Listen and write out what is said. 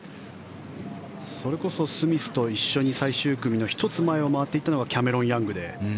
それこそスミスと一緒に最終組の１つ前を回っていったのがキャメロン・ヤングで。